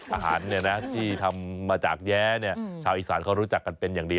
อาหารเนี่ยนะที่ทำมาจากแย้เนี่ยชาวอีกษานเขารู้จักกันเป็นอย่างดี